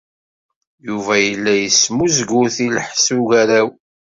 Yuba yella yesmuzgut i lḥess ugaraw.